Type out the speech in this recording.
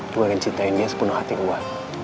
gue akan cintain dia sepenuh hati gue